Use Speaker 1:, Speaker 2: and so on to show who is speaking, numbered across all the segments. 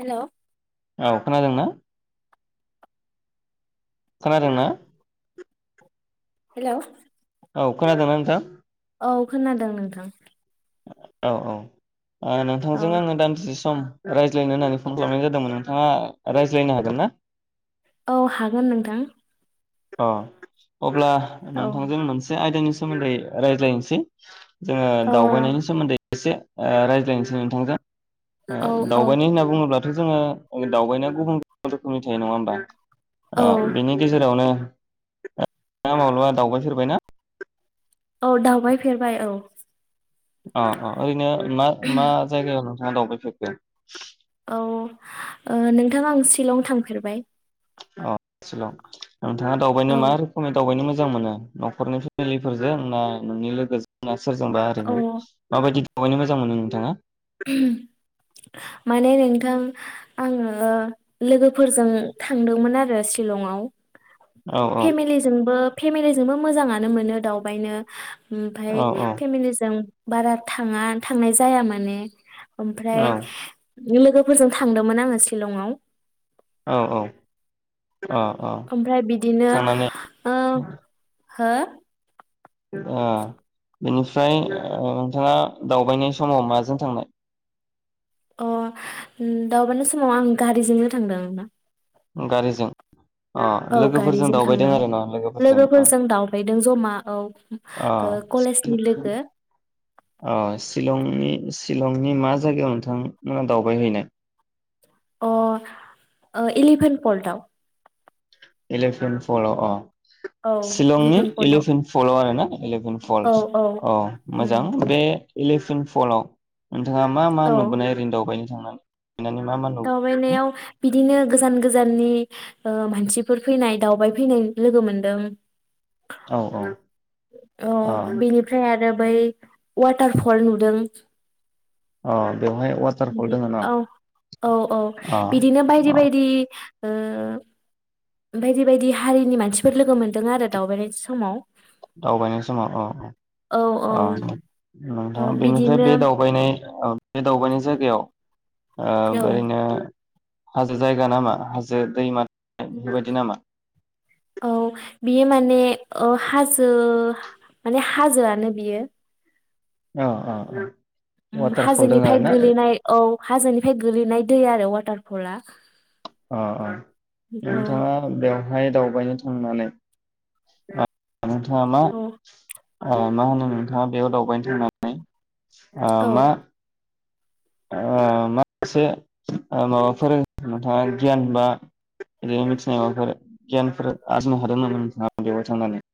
Speaker 1: हेल'
Speaker 2: औ खोनादोंना? खोनादों ना?
Speaker 1: हेल'
Speaker 2: औ खोनादोना नोंथां?
Speaker 1: औ खोनादों नोंथां।
Speaker 2: औ औ ओ
Speaker 1: औ
Speaker 2: नोंथांजों आङो दान्दिसे सम रायज्लायनो होननानै फन खालामनाय जादोंमोन नोंथाङा रायज्लायनो हागोन ना?
Speaker 1: औ हागोन नोंथां
Speaker 2: अ अब्ला
Speaker 1: औ
Speaker 2: नोंथांजों मोनसे आयदानि सो सोमोन्दै रायज्लायनिसै। ओ
Speaker 1: औ
Speaker 2: दावबायनायनि सोमोन्दै एसे ओ रायज्लायनोसै नोंथांजों।
Speaker 1: औ
Speaker 2: ओ
Speaker 1: औ
Speaker 2: दावबायनाय होनना बुङोब्लाद जोङो दावबायनाया गुबुन गुबुन रोखोमनि थायो नङा ओमबा?
Speaker 1: औ
Speaker 2: ओ बेनि गेजेरावनो [unintelligible] माब्लाबा दावबाय फेरबायना?
Speaker 1: औ दावबाय फेरबाय औ।
Speaker 2: अ अ ओरैनो मा मा जायगायाव दावबायफेरखो?
Speaker 1: औ ओ नोंथां आं शिलं थांफेरबाय।
Speaker 2: औ सिलं। नोंथाङा
Speaker 1: औ
Speaker 2: दावबायनो मा रोखोमै दावबायनो मोजा मोजां मोनो न'खरनि फेमिलिफोरजों ना नोंनि लोगो [unintelligible] सोरजोंबा
Speaker 1: औ
Speaker 2: ओरैनो माबायदि? वबायनो मोजां मोनो नोंथाङा?
Speaker 1: माने नोंथां आङो लोगोफोरजों थांदोंमोन आरो सिलंआव
Speaker 2: औ औ
Speaker 1: फेमिलिजोंबो फेमिलिजोंबो मोजाङानो मोनो दावबायनो ओमफाय
Speaker 2: औ औ
Speaker 1: फेमिलिजों बारा थाङा थांनाय जाया माने ओमफ्राय
Speaker 2: औ
Speaker 1: लोगोफोरजों थांदोंमोन आङो शिलंआव।
Speaker 2: औ औ अ अ
Speaker 1: ओमफ्राय बिदिनो
Speaker 2: थांनानै
Speaker 1: ओ हो
Speaker 2: ओ बेनिफ्राय ओ नोंथाङा दावबायनाय समाव माजों थांनाय?
Speaker 1: अ दावबायनाय समाव आं गारिजोंनो थांदों ना।
Speaker 2: गारिजों अ
Speaker 1: औ
Speaker 2: लोगोफोरजों
Speaker 1: गारिजों
Speaker 2: दावबायदों
Speaker 1: थांदों
Speaker 2: आरो ना अ
Speaker 1: लोगोफोरजों दावबायदों जमा औ
Speaker 2: अ
Speaker 1: ओ कलेजनि लोगो।
Speaker 2: सिलंनि सिलंनि मा जायगायाव नोंथांमोना दावबाय हैैनाय?
Speaker 1: अ ओ एलिभेनट पल्टाव।
Speaker 2: इलेफेन फल‌आव अ
Speaker 1: औ
Speaker 2: सिलंनि
Speaker 1: पर्टआव
Speaker 2: इलिभेन फल‌आव आरो ना? इलेभेन
Speaker 1: औ
Speaker 2: फलस
Speaker 1: औ
Speaker 2: अ
Speaker 1: उम
Speaker 2: मोजां बे इलेभेन फलाव नोंथाङा मा मा
Speaker 1: औ
Speaker 2: नुबोनाय ओरै दावबायनि [unintelligible]
Speaker 1: दावबायनायाव बिदिनो गोजान गोजाननि मानसिफोर फैनाय दावबाय फैनाय लोगो मोनदों
Speaker 2: औ औ
Speaker 1: औ
Speaker 2: अ
Speaker 1: बिनिफ्राय आरो बै वाथारफल नुदों
Speaker 2: अ बेवहाय वाटारफल
Speaker 1: बिदि
Speaker 2: दोङ न
Speaker 1: औ औ औ
Speaker 2: अ
Speaker 1: बिदिनो बायदि
Speaker 2: अ
Speaker 1: बायदि ओ बायदि बायदि हारिनि मानसिफोर लोगो मोनदों आरो दावबायनाय समाव
Speaker 2: दावबायनाय समाव औ औ
Speaker 1: औ
Speaker 2: नोंथाङा बेनिफ्राय
Speaker 1: बिदिनो
Speaker 2: बे दावबायनाय बे दावबायनाय जायगायाव ओ
Speaker 1: औ
Speaker 2: ओरैनो हाजो जायगा नामा हाजो दैमा बेफोरबायदि नामा
Speaker 1: औ बियो माने हाजो जो माने हाजोआनो बियो
Speaker 2: अ अ अ
Speaker 1: उम हाजोनिफ्राय गोलैनाय औ हाजोनिफ्राय गोगलैनाय दै आरो वाटारफलआ
Speaker 2: अ अ नोंथाङा बेयाव बहाय दावबायनो थांनानै नोंथाङा
Speaker 1: औ
Speaker 2: मा मा होनो नोंथाङा बेयाव दावबायनो थांनानै ओ
Speaker 1: औ
Speaker 2: मा माखासे माबाफोर नोंथाङा गियान बा बिदिनो मिथिनाय माबाफोर गियानफोर आरजिनो हादोंमोन नोंथाङा बेवहाय थांनानै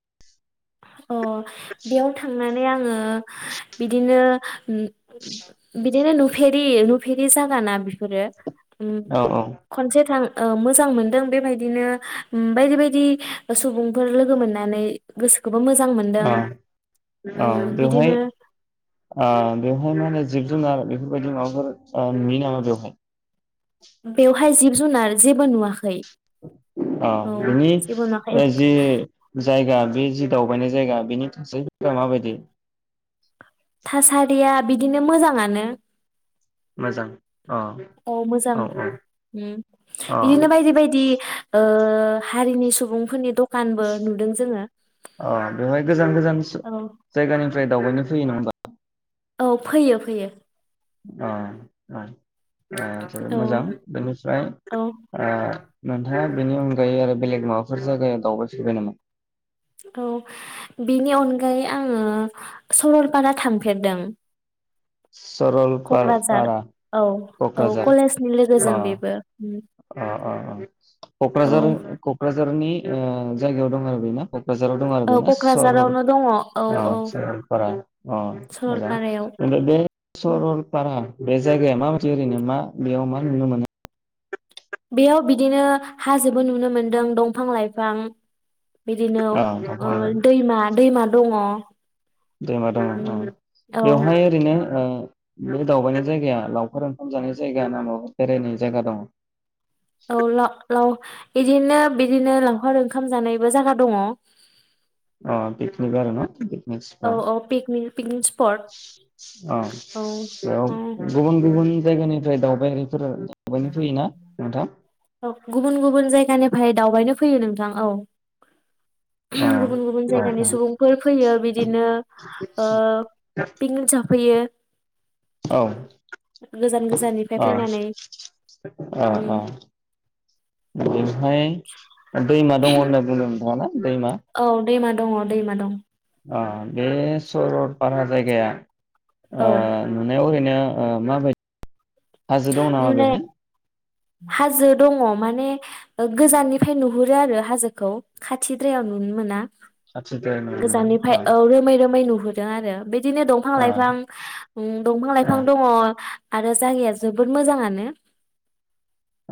Speaker 1: [inaudible] अ बेयाव थां थांनानै आङो बिदिनो बिदिनो नुफेरि नुफेरि जागाना बेफोरो उम
Speaker 2: औ औ
Speaker 1: खनसे थां मोजां मोनदों बेबायदिनो बायदि बायदि सुबुंफोर लोगो मोननानै गोसो
Speaker 2: औ ओ
Speaker 1: उम
Speaker 2: बेवहाय
Speaker 1: बिदिनो
Speaker 2: ओ बेवहाय मा होनो जिब जुनार बेफोरबायदि माबाफोर नुयो नामा बेवहाय
Speaker 1: बेवहाय जिब जुनार जेबो नुवाखै
Speaker 2: ओ
Speaker 1: औ
Speaker 2: बिनि
Speaker 1: जेबो नुवाखै
Speaker 2: जि जायगा बे जि दावबायनाय जायगा बेनि थासारिफ्रा माबायदि
Speaker 1: थासारिया बिदिनो मोजाङानो
Speaker 2: मोजां अ
Speaker 1: अ मोजां
Speaker 2: औ
Speaker 1: ओम
Speaker 2: अ
Speaker 1: बिदिनो बायदि बायदि ओ ओ हारिनि सुबुंफोरनि दखानबो नुदों जोङो
Speaker 2: अह बेवहाय गोजान गोजान सो
Speaker 1: औ
Speaker 2: जायगानिफ्राय दावबायनो फैयो नङाहमबा
Speaker 1: औ फैयो फैयो
Speaker 2: अ औ अ जोबोद
Speaker 1: औ
Speaker 2: मोजां बेनिफ्राय
Speaker 1: औ
Speaker 2: ओ नोंथाङा बेनि अनगायै आरो बेलेग माबाफोर जायगायाव दावबायफेरबाय नामा
Speaker 1: थ बेनि अनगायै आङो सरलपारा थांफेरदों कक्राझार
Speaker 2: सरलपारा
Speaker 1: औ औ
Speaker 2: क'क्राझार
Speaker 1: कलेजनि
Speaker 2: अ
Speaker 1: लोगोजों बेबो उम
Speaker 2: अ अ अ
Speaker 1: औ
Speaker 2: कक्राझार कक्राझार झार नि जायगायाव दं आरो बेना क- कक्राझाराव दं आरो
Speaker 1: औ
Speaker 2: बे ना सरल
Speaker 1: क'क्राझारावनो दङ औ
Speaker 2: अ
Speaker 1: औ
Speaker 2: सरलपारा अ मोजां
Speaker 1: सरलपारायाव
Speaker 2: ओमफ्राय बे सरलपारा बे जायगाया माबादि ओरैनो मा बेयाव मा नुनो मोनो
Speaker 1: बेयाव बिदिनो हाजोबो नुनो मोनदों दंफां लाइफां बिदिनो
Speaker 2: मोनो
Speaker 1: ओ
Speaker 2: औ
Speaker 1: दैमा दैमा दङ
Speaker 2: दैमा दङ औ
Speaker 1: औ
Speaker 2: बेवहाय ओरैनो ओ नो दावबायनाय जायगाया लावखार ओंखाम जानाय जायगा ना माबा बेरायनाय जायगा दं
Speaker 1: औल औ इदिनो बिदिनो लावखार ओंखाम जानायबो जायगा दङ
Speaker 2: अ पिकनिक आरो ना पिकनिक स्पट
Speaker 1: औ पिकनिक पिकनिक स्पट
Speaker 2: औ बेयाव
Speaker 1: औ
Speaker 2: गुबुन गुबुन जायगानिफ्राय दावबायनायारिफोरा
Speaker 1: औ गुबुन गुबुन जायगानि [unintelligible] दावबायनो फैयो नोंथां औ
Speaker 2: अ
Speaker 1: गुबुन गुबुन
Speaker 2: अ
Speaker 1: जायगानि सुबुंफोर फैयो बिदिनो ओ पिकनिक जाफैयो
Speaker 2: औ
Speaker 1: गोजान गोजाननिफ्राय फैनानै
Speaker 2: ओ ओ
Speaker 1: उम
Speaker 2: बेवहाय दैमा दङ होनना बुंदों दङो ना दैमा
Speaker 1: औ दैमा दङ दैमा दं
Speaker 2: अ बे सरलपारा जायगाया
Speaker 1: औ
Speaker 2: ओ नुनायाव ओरै नो ओ माबाय हाजो दं नामा
Speaker 1: नुनाय
Speaker 2: बेवहाय?
Speaker 1: हाजो दङ माने गोजाननिफाय नुहुरो आरो हाजोखौ खाथिद्रायाव नुनो मोना।
Speaker 2: खाथिद्राय नुनो मोना
Speaker 1: गोजाननिफाय
Speaker 2: अ
Speaker 1: औ रोमै रोमै नु नुदों आरो बि दिनो दंफां
Speaker 2: अ
Speaker 1: लाइफां ओम दंफां
Speaker 2: औ
Speaker 1: लाइफां दङ। आरो जायगाया जोबोद मोजाङानो।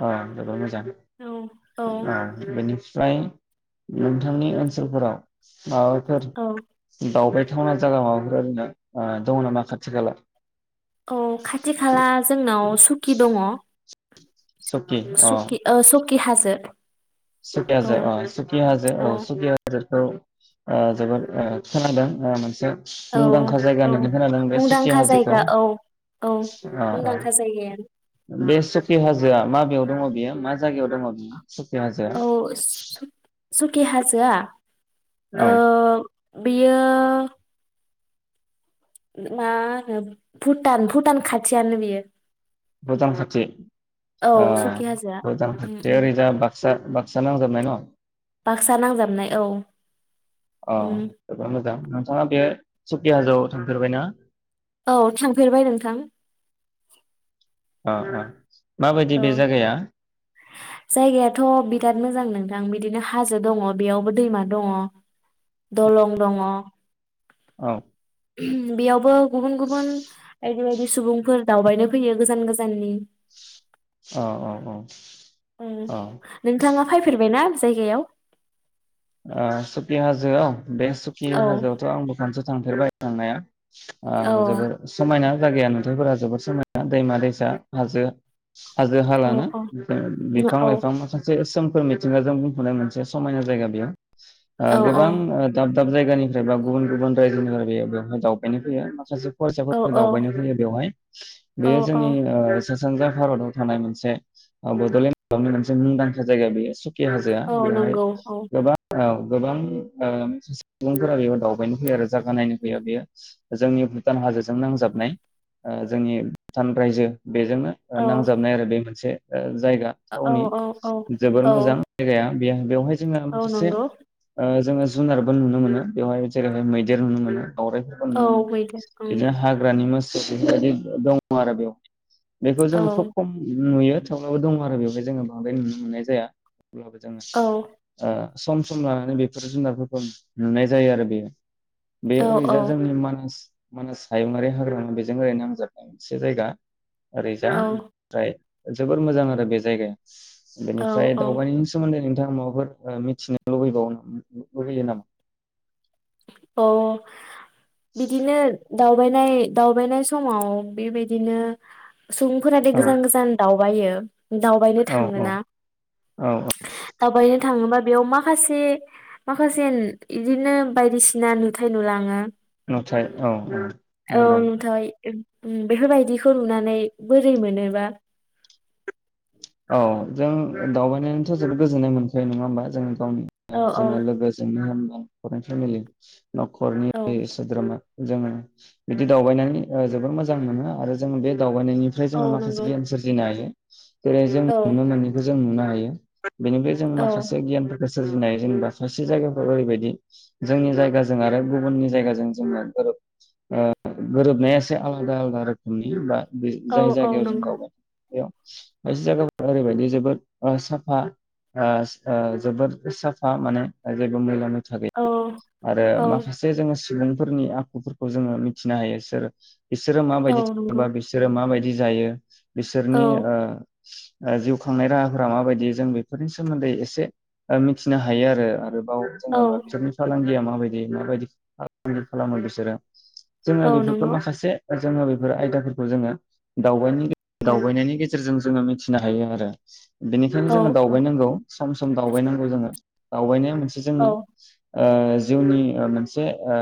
Speaker 2: अ जोबोद मोजां
Speaker 1: औ
Speaker 2: औ बेनि फ्राय नोंथांनि ओनसोलफोराव माबाफोर
Speaker 1: औ
Speaker 2: दावबाय थावना जागा माबाफोर ओरैनो ओ दङना नामा खाथि खाला?
Speaker 1: औ खाथि खाला जोंनाव सुकि दङ।
Speaker 2: सकि अ।
Speaker 1: कि हाजो।
Speaker 2: सुकि
Speaker 1: औ
Speaker 2: हाजो अ सुकि हाजो औ सुकि हाजो खौ ओ जोबोद ओ खोनादों ओ मोनसे
Speaker 1: औ
Speaker 2: मुंदांखा जायगा
Speaker 1: औ
Speaker 2: होननानै खोनादों बे सुकि
Speaker 1: मुंदांखा
Speaker 2: हाजोखौ
Speaker 1: जायगा औ औ
Speaker 2: अ अ
Speaker 1: मुंदांखा जायगाया
Speaker 2: बे सकि हाजोआ माबेयाव दङ बेयो मा जायगायाव दङ बियो? सकि हाजोआ।
Speaker 1: औ सुकि हाजोआ ओ
Speaker 2: औ।
Speaker 1: बियो मा होनो भुटान भुटान खाथियानो बियो।
Speaker 2: भुटान खाथि ओ
Speaker 1: औ सुकि हाजोआ
Speaker 2: भुटान
Speaker 1: उम
Speaker 2: खाथि
Speaker 1: उम
Speaker 2: ओरैजा बाक सा बाक्सा नांजाबनाय न।
Speaker 1: बाक्सा नांजाबनाय औ उम।
Speaker 2: सुकि हाजोआव थांफेरबायना?
Speaker 1: औ थांफेरबाय नोंथां
Speaker 2: अ अ। माबायदि
Speaker 1: अ
Speaker 2: बे जायगाया
Speaker 1: जायगायाथ बिराद मोजां नों थां बिदिनो हाजो दङ बेयावबो दैमा दङ दलं दङ।
Speaker 2: औ।
Speaker 1: बेयावबो गुबुन गुबुन बायदि बायदि सुबुंफोर दावबायनो फैयो गोजान गोजाननि।
Speaker 2: औ औ औ औ।
Speaker 1: फायफेरबायना बि जायगायाव?
Speaker 2: ओ सुखि हाजोआव बे सुखि
Speaker 1: औ
Speaker 2: हाजोआवथ' आंबो खनसे थांफेरबाय थांनाया।
Speaker 1: औ
Speaker 2: ओं जोबोर समायना जागाया नुथायफोरा जोबोद समायना दैमा-दैसा, हाजो
Speaker 1: औ
Speaker 2: हाजो-हालाना
Speaker 1: औ
Speaker 2: बिफा
Speaker 1: औ
Speaker 2: बिफां-लाइफां माखासे सोम खोर मिथिंगाजों बुंफ'नाय मोनसे समायना जायगा बेयो ओ
Speaker 1: औ
Speaker 2: गोबां ओ दाब दाब जायगानिफ्राय बा गुबुन-गुबुन रायजोनिफ्राय बेयो बेवहाय दावबायनो फैयो माखासे
Speaker 1: औ
Speaker 2: फरायसाफोरबो दावबायनो फैयो बेवहाय
Speaker 1: औ
Speaker 2: बेयो
Speaker 1: औ
Speaker 2: जोंनि ओ सानजा भारताव थानाय मोनसे ओ बड'लेण्ड हालामनि मोनसे मुंदांखा जायगा बेयो सु खि हाजोआ
Speaker 1: औ
Speaker 2: बेवहाय
Speaker 1: नंगौ औ
Speaker 2: गोबां औ गोबां ओ सुबुंफोरा बेयाव दावबायनो फैयो आरो जागा नायनो फैयो बेयो जोंनि भुटान हाजोजों नांजाबनाय ओ‌ जोंनि भुटान रायजो बेजोंनो ओ
Speaker 1: औ
Speaker 2: नांजाबनाय आरो बे मोनसे ओ जायगा
Speaker 1: औ
Speaker 2: थावनि
Speaker 1: औ औ
Speaker 2: जोबोर
Speaker 1: औ
Speaker 2: मोजां जायगाया बे-बेवहाय जोङो
Speaker 1: औ
Speaker 2: सासे
Speaker 1: नंगौ
Speaker 2: ओ जोङो जुनारबो नुनो मोनो बेवहाय जेरैहाय मैदेर नुनो मोनो दावरायफोरखौ
Speaker 1: औ
Speaker 2: नुनो मोनो
Speaker 1: मैदेर उम
Speaker 2: बिदिनो हाग्रानि मो सा दं आरो बेयाव बेखौ
Speaker 1: औ
Speaker 2: जोङो खोब खम नुयो थावब्लाबो दं आरो बेवहाय जोङो बांद्राय नुनो मोननाय जाया होमब्लासो
Speaker 1: औ
Speaker 2: जों ओ सम सम लानानै बेफोर जुनारफोरखौ नुनाय जायो आरो बे बे
Speaker 1: औ औ
Speaker 2: ओरैजा जोंनि मानास मानास हायुङारि हाग्रा बेजों ओरै नांजाबनाय मोनसे जायगा ओरैजा
Speaker 1: औ
Speaker 2: ओमफ्राय जोबोर मोजां आरो बे जायगाया
Speaker 1: औ
Speaker 2: बेनिफ्राय
Speaker 1: औ
Speaker 2: दावबायनि सोमोन्दै नों नोंथां माबाफोर ओ मिथिनो लुबैबावो लुबैयो नामा?
Speaker 1: अ बिदिनो दावबायनाय दावबायनाय समाव बेबायदिनो सुबुंफोरा दि
Speaker 2: औ
Speaker 1: गोजान गोजान दाउ बायो। दावबायनो
Speaker 2: औ औ
Speaker 1: थाङोना
Speaker 2: औ औ
Speaker 1: दावबायनो थाङोबा बेयाव माखासे माखासे होन इदिनो बायदिसिना नुथाय नुलाङो।
Speaker 2: नाथाय औ औ।
Speaker 1: औ
Speaker 2: नंगौ
Speaker 1: नुथाय। बेफोरबायदिखौ नुनानै बोरै मोनोबा?
Speaker 2: औ जों दावबायनानैथ' जोबोद गोजोननाय मोनखायो नङा होमबा जों गावनि
Speaker 1: औ
Speaker 2: ओ
Speaker 1: औ
Speaker 2: जोङो लोगोजोंनो होन पराइन फेमेलि
Speaker 1: औ
Speaker 2: न'खरनि सोद्रोमा जोङो बिदि दावबायनानै ओ जोबोर मोजां मोनो आरो जों बे दाव बायनायनिफ्राय
Speaker 1: औ
Speaker 2: जोङो माखासे
Speaker 1: नंगौ
Speaker 2: गियान सोरजिनो हायो। [inaudible] जेरै जों
Speaker 1: औ
Speaker 2: नुनो मोनिखि जों नुनो हायो बेनिफ्राय जों
Speaker 1: औ
Speaker 2: माखासे गियान फोर सोरजिनाय जेनेबा सासे जायगाफ्राव ओरैबायदि जोंनि जायगाजों आरो गुबुननि जायगाजों जोङो गोरोब ओ गोरोबनाया एसे आलादा आलदा रोखोमनि बा बै
Speaker 1: औ
Speaker 2: जाय
Speaker 1: औ
Speaker 2: जायगायाव जों
Speaker 1: नंगौ
Speaker 2: गाव गाव एयाव बायसे जायगाफोरा ओरैबायदि जोबोद ओ साफा ओ ओ जोबोद साफा माने जेबो मैला मै था
Speaker 1: औ
Speaker 2: गैया आरो
Speaker 1: औ
Speaker 2: माखासे जोङो सुबुंफोरनि आखुफोरखौ जोङो मिथिनो हायो सोर बिसोरो
Speaker 1: औ
Speaker 2: माबायदि थाङोबा
Speaker 1: नंगौ
Speaker 2: बिसोरो माबाय दि जायो। बिसोरनि
Speaker 1: औ
Speaker 2: ओ ओ जिउ खांनाय राहाफोरा माबायदि जों बेफोरनि सोमोन्दै एसे मिथिनो हायो आरो, आरो औ जोङो मा बिसोरनि फालांगिया मा बायदि माबायदि फालांगि खालामो बिसोरो। जोङो
Speaker 1: औ
Speaker 2: बेफोरखौ
Speaker 1: नंगौ
Speaker 2: माखासे जोङो बेफोर आयदाफोरखौ जोङो दावबायनि
Speaker 1: औ
Speaker 2: दावबायनायनि गेज जेरजों जोङो मिथिनो हायो आरो। बेनिखायनो
Speaker 1: औ
Speaker 2: जोङो दावबायनांगौ सम सम दावबायनांगौ जोङो। दावबायनाया मोन से
Speaker 1: औ
Speaker 2: जोंनि ओ जिउनि ओ मोनसे ओ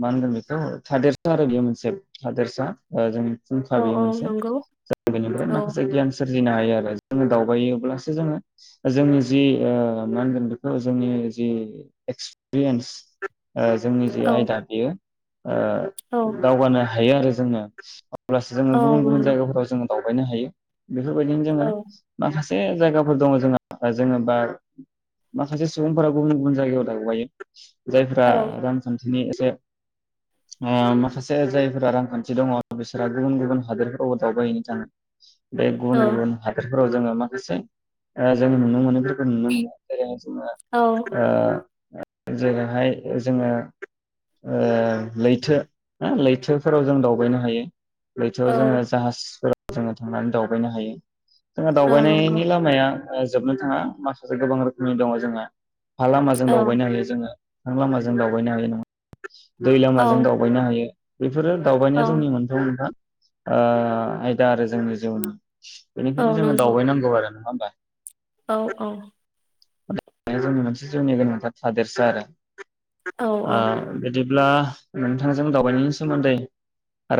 Speaker 2: मा होनगोन बेखौ थादेरसा आरो बेयो मोनसे थादेरसा ओ जों जोंखा
Speaker 1: औ
Speaker 2: बियो
Speaker 1: औ
Speaker 2: मोनसे
Speaker 1: नंगौ
Speaker 2: जायगानिफ्राय
Speaker 1: औ
Speaker 2: मा सोरजिनो हायो आरो जोङो दावबायोब्लासो जोङो जोंनि जि ओ मा होनगोन बेखौ जोंनि जि एक्सपिरियेन्स ओ जोंनि जे
Speaker 1: औ
Speaker 2: आयदा बेयो
Speaker 1: औ
Speaker 2: ओ दावगानो हायो आरो जोङो अब्लासो जोङो
Speaker 1: औ
Speaker 2: गुबुन गुबुन
Speaker 1: नंगौ
Speaker 2: जायगाफोराव जोङो दावबायनो हायो। बेफोरबायदिनो जोङो
Speaker 1: औ
Speaker 2: माखास एह जायगाफोर दङ जोंहा जोङो बा माखासे सुबुंफोरा गुबुन गुबुन जायगायाव दावबायो। जायफ्रा
Speaker 1: औ
Speaker 2: रांखान्थ [unintelligible] नि एसे ओ माखासे जायफोरा रांखान्थि दङ बिसोरहा गुबुन गुबुन हादोरफोरावबो दावबायहैनो थाङो। [inaudible] बे
Speaker 1: औ
Speaker 2: गुबुन गुबुन हादोर फोराव जोङो माखासे ओ जों नुनो मोनो जों
Speaker 1: औ
Speaker 2: [unintelligible] ओ जेरैहाय जोङो ओ लैथो लैथोफोराव जों दावबायनो हायो। लैथोआव जोङो जाहाजफोर जोङो थांनानै दावबायनो हायो। जोंहा
Speaker 1: औ नंगौ
Speaker 2: दावबायनायनि लामाया ओ जोबनो थाङा माखासे गोबां रोखोमनि दङ जोंहा। हा लामाजों
Speaker 1: औ
Speaker 2: दावबायनो हायो जोङो। अख्रां लामाजों दावबायनो हायो ना दै
Speaker 1: औ
Speaker 2: लामाजों दावबायनो हायो। उ बेफोरो दावबायनाया
Speaker 1: औ
Speaker 2: जोंनि मोनफा मोनफा ओ आयदा आरो जोंनि जि [unintelligible] नि बेनिखायनो
Speaker 1: औ
Speaker 2: जोङो
Speaker 1: नंगौ
Speaker 2: दावबायनांगौ आरो बा [unintelligible]
Speaker 1: औ औ
Speaker 2: जोंनि मोनसे जिउनि गोनांथार थादेरसा आरो
Speaker 1: औ
Speaker 2: आ बिदि अब्ला नोंथांजों दावबायनायनि सोमोन्दै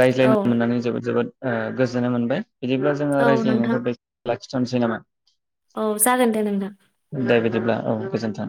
Speaker 2: रायज्लायनो
Speaker 1: औ
Speaker 2: मोननानै जोबोद जोबोद ओ गोजोननाय मोनबाय बिदिब्ला जोङो
Speaker 1: औ नोंथां
Speaker 2: रायज्लायनायखौ बे ला जानसै नामा?
Speaker 1: औ जागोन दे नोंथां
Speaker 2: दे बिदिब्ला औ गोजोन्थों